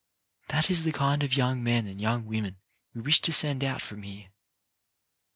That is the kind of young men and young women we wish to send out from here.